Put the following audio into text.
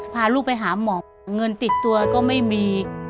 พาลูกไปหาหมอเงินติดตัวก็ไม่มี